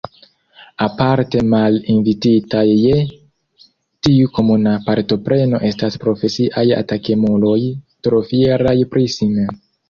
Aparte malinvititaj je tiu komuna partopreno estas profesiaj atakemuloj trofieraj pri si mem.